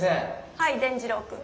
はい伝じろうくん。